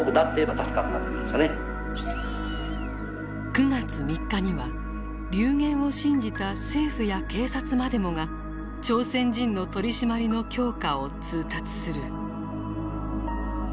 ９月３日には流言を信じた政府や警察までもが朝鮮人の取締りの強化を通達する。